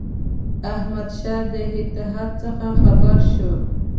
احمدشاه د اتحاد څخه خبر شو.